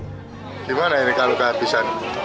gimana ini kalau kehabisan